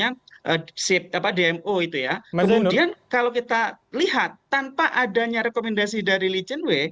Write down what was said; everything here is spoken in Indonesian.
kemudian kalau kita lihat tanpa adanya rekomendasi dari licin week